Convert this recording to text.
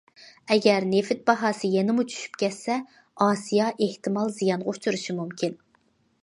ئەگەر نېفىت باھاسى يەنىمۇ چۈشۈپ كەتسە، ئاسىيا ئېھتىمال زىيانغا ئۇچرىشى مۇمكىن.